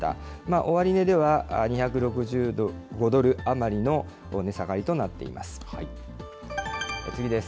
終値では２６５ドル余りの値下がりとなっています。